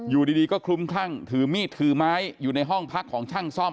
อยู่ดีก็คลุ้มคลั่งถือมีดถือไม้อยู่ในห้องพักของช่างซ่อม